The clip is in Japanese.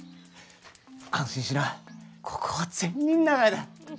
安心しな、ここは善人長屋だ。